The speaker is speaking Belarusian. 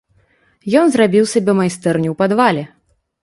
Ён зрабіў сабе майстэрню ў падвале.